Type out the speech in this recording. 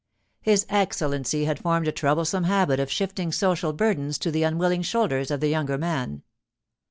His Excellency had formed a troublesome habit of shifting social burdens to the unwilling shoulders of the younger man.